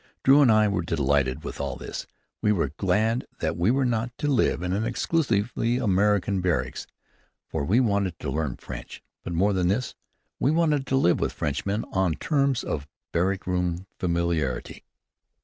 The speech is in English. Drew and I were delighted with all this. We were glad that we were not to live in an exclusively American barracks, for we wanted to learn French; but more than this, we wanted to live with Frenchmen on terms of barrack room familiarity.